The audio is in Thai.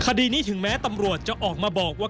คดีนี้ถึงแม้ตำรวจจะออกมาบอกว่า